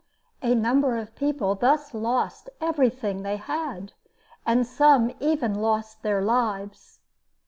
A number of people thus lost everything they had, and some even lost their lives.